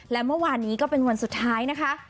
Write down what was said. และเมื่อวานนี้ก็เป็นวันสุดท้ายนะคะ